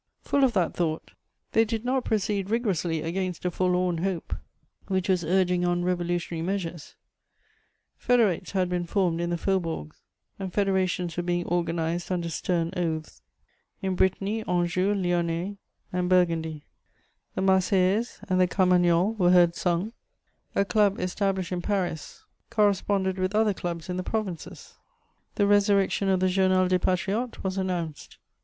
Full of that thought, they did not proceed rigorously against a forlorn hope which was urging on revolutionary measures: federates had been formed in the faubourgs and federations were being organized under stem oaths in Brittany, Anjou, Lyonnais and Burgundy; the Marseillaise and the Carmagnole were heard sung; a club, established in Paris, corresponded with other clubs in the provinces; the resurrection of the Journal des Patriotes was announced.